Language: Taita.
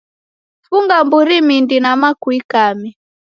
Funga mburi mindi nama kuikame